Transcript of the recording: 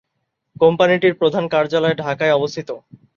কোম্পানিটির প্রধান কার্যালয় ঢাকায় অবস্থিত।